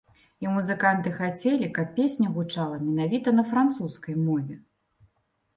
І музыканты хацелі, каб песня гучала менавіта на французскай мове.